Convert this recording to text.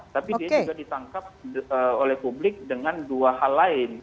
tapi dia juga ditangkap oleh publik dengan dua hal lain